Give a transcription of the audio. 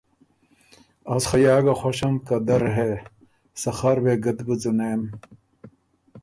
از خه یا ګه خوشم که دۀ ر هې، سخر وېګه ت بُو ځُونېم۔